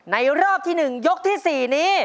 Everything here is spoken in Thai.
รอบที่๑ยกที่๔นี้